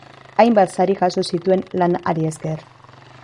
Hainbat sari jaso zituen lan hari esker.